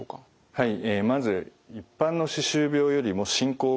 はい。